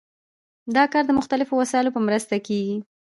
دا کار د مختلفو وسایلو په مرسته کیږي.